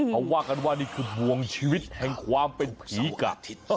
เขาว่ากันว่านี่คือบวงชีวิตแห่งความเป็นผีกะ